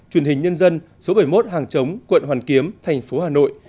truyền hình nhân dân số bảy mươi một hàng chống quận hoàn kiếm thành phố hà nội